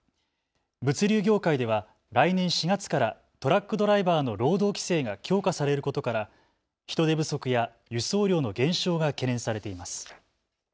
物流業界では来年４月からトラックドライバーの労働規制が強化されることから人手不足や輸送量の減少が懸念されています。